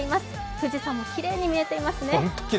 富士山もきれいに見えていますね。